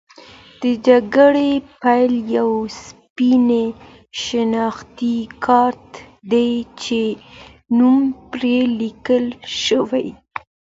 د جګړې پای یو سپین شناختي کارت دی چې نوم پرې لیکل شوی.